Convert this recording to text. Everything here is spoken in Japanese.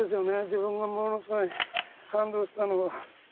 自分がものすごい感動したのは。